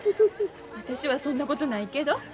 私はそんなことないけど。